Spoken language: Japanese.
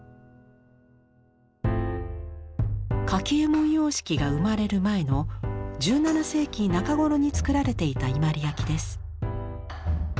柿右衛門様式が生まれる前の１７世紀中ごろに作られていた伊万里焼です。